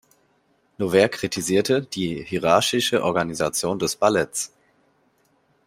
Noverre kritisierte die hierarchische Organisation des Balletts.